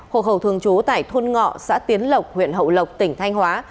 hậu thường chú tại thuân ngọ xã tiến lộc huyện hậu lộc tỉnh thanh hóa